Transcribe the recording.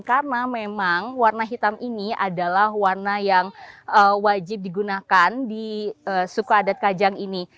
karena memang warna hitam ini adalah warna yang wajib digunakan di suku adat kajang ini